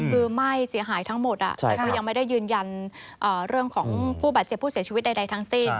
ก็ยังไม่ได้ยืนยันเรื่องของผู้บาดเจ็บผู้เสียชีวิตใดทั้งสิ้น